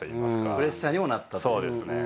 プレッシャーにもなったっていう。